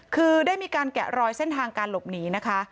คือได้มีการแกะรอยเส้นทางการหลบหนีนะคะ